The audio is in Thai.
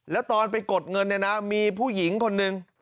แล้วตอนไปกดเงินเนี่ยนะมีผู้หญิงคนนึง